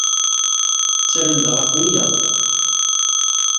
Ttren-d ɣef wiyaḍ.